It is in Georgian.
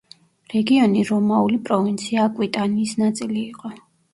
რეგიონი რომაული პროვინცია აკვიტანიის ნაწილი იყო.